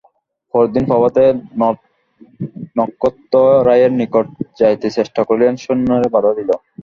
পরদিন প্রভাতে নক্ষত্ররায়ের নিকট যাইতে চেষ্টা করিলেন, সৈন্যেরা বাধা দিল।